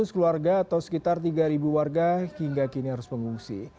dua ratus keluarga atau sekitar tiga warga hingga kini harus mengungsi